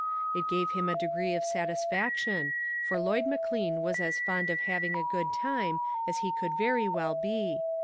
It gave him a degree of satisfac tion, for Lloyd McLean was as fond of hav ing a good time as he could very well be.